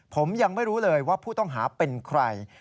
ผมยังไม่รู้เลยว่าผู้ต้องหาเป็นใคร